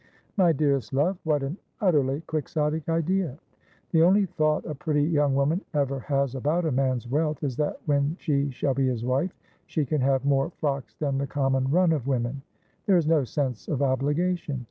'' My dearest love, what an utterly quixotic idea. The only thought a pretty young woman ever has about a man's wealth is that when she shall be his wife she can have more frocks than the common run of women. There is no sense of obligation.